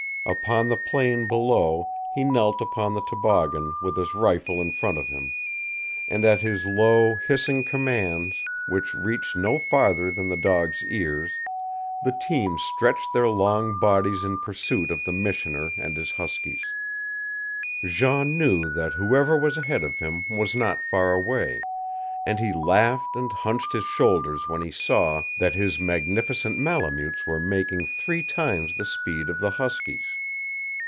Upon the plain below he knelt upon the toboggan, with his rifle in front of him; and at his low, hissing commands, which reached no farther than the dogs' ears, the team stretched their long bodies in pursuit of the missioner and his huskies. Jean knew that whoever was ahead of him was not far away, and he laughed and hunched his shoulders when he saw that his magnificent Malemutes were making three times the speed of the huskies.